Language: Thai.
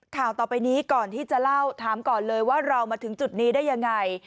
ข่าวต่อไปนี้ก่อนที่จะเล่าถามก่อนเลยว่าเรามาถึงจุดนี้ได้ยังไง